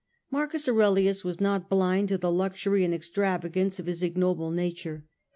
Marcus Aurelius was not blind to the luxury and ex travagance of his ignoble nature.